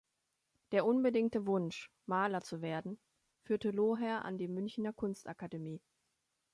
Der unbedingte Wunsch, Maler zu werden, führte Loher an die Münchener Kunstakademie.